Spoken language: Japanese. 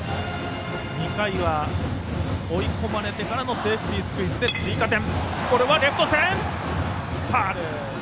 ２回は追い込まれてからのセーフティースクイズで追加点。